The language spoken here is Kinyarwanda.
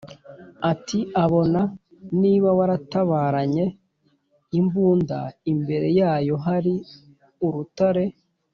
Ati Bona niba waratabaranye imbunda, imbere yayo hali urutare!